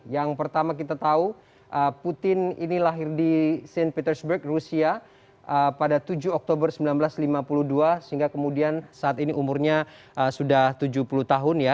yang pertama kita tahu putin ini lahir di st petersburg rusia pada tujuh oktober seribu sembilan ratus lima puluh dua sehingga kemudian saat ini umurnya sudah tujuh puluh tahun ya